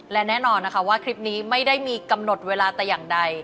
และแน่นอนนะคะว่าคลิปนี้ไม่ได้มีกำหนดเวลาแต่อย่างใด